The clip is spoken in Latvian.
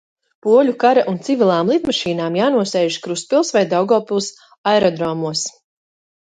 Poļu kara un civilām lidmašīnām jānosēžas Krustpils vai Daugavpils aerodromos.